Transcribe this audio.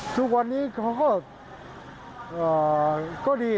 ทุกวันนี้เขาก็ดี